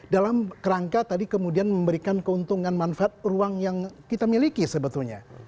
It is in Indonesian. dalam kerangka tadi kemudian memberikan keuntungan manfaat ruang yang kita miliki sebetulnya